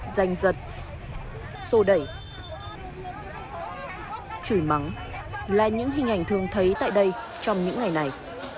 giành giật xô đẩy chửi mắng là những hình ảnh thường thấy tại đây trong những ngày này